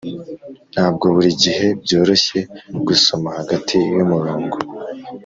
ntabwo buri gihe byoroshye gusoma hagati yumurongo.